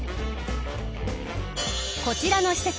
こちらの施設